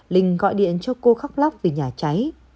linh gọi điện cho cô khóc lóc vì nhà cháy